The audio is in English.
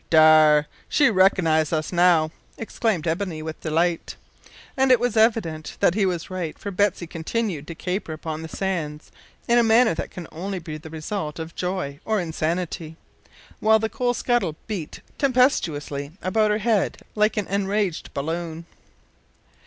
"Dar', she's reco'nised us now!" exclaimed Ebony with delight; and it was evident that he was right for Betsy continued to caper upon the sands in a manner that could only be the result of joy or insanity, while the coal scuttle beat tempestuously about her head like an enraged balloon.